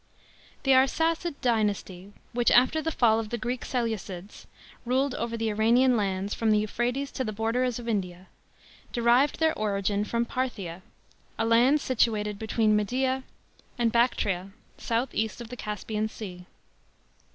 THE Arsacid dynasty, which, after the fall of the Greek Seleucids, ruled over the Iranian lands from the Euphrates to the borders of India, derived their origin from Parthia, a land situated between Media and Bactria, south east of the Caspian Sea.